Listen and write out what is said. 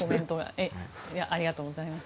ありがとうございます。